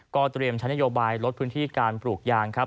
เตรียมใช้นโยบายลดพื้นที่การปลูกยางครับ